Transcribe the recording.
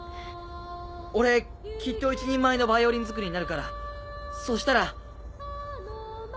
俺きっと一人前のバイオリン作りになるからそしたら。